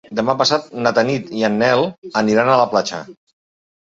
Demà passat na Tanit i en Nel aniran a la platja.